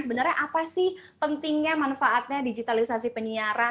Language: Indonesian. sebenarnya apa sih pentingnya manfaatnya digitalisasi penyiaran